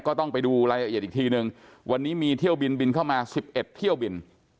ก็ต้องไปดูรายละเอียดอีกทีนึงวันนี้มีเที่ยวบินบินเข้ามา๑๑เที่ยวบิน